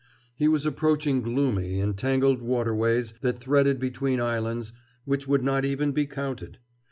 He was approaching gloomy and tangled waterways that threaded between islands which could not even be counted.